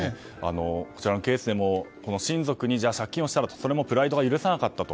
こちらのケースでも親族に借金をしたらということがありましたがそれもプライドが許さなかったと。